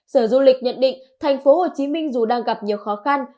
sở du lịch nhận định thành phố hồ chí minh dù đang gặp nhiều khó khăn